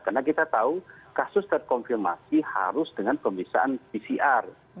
karena kita tahu kasus terkonfirmasi harus dengan pemelisaan pcr